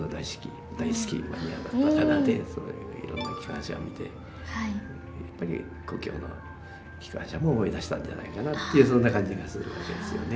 そういういろんな機関車を見てやっぱり故郷の機関車も思い出したんじゃないかなっていうそんな感じがするわけですよね。